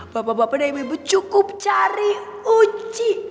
bapak bapak dari ibu ibu cukup cari uci